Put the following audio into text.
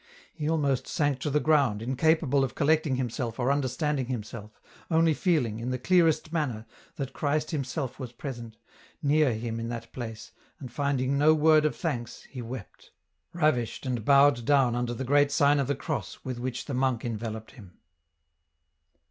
He almost sank to the ground, incapable of collecting himself or understanding himself, only feeling, in the clearest manner, that Christ Himself was present, near him in that place, and finding no word of thanks, he wept, ravished and bowed down under the great sign of the cross with which the monk enveloped him.